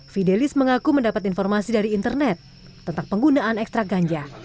fidelis mengaku mendapat informasi dari internet tentang penggunaan ekstra ganja